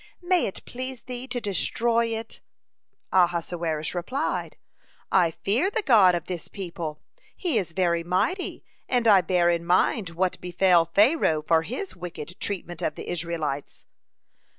May it please thee to destroy it." Ahasuerus replied: "I fear the God of this people; He is very mighty, and I bear in mind what befell Pharaoh for his wicked treatment of the Israelites."